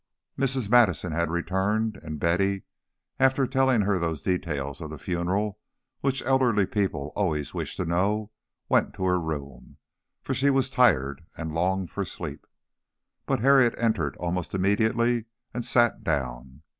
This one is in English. Mrs. Madison had returned, and Betty, after telling her those details of the funeral which elderly people always wish to know, went to her room, for she was tired and longed for sleep. But Harriet entered almost immediately and sat down.